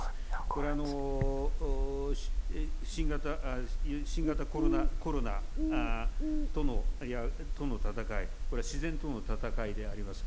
これ、新型コロナとの闘い、これ自然との闘いであります。